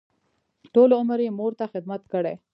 ټول عمر یې مور ته خدمت کړی.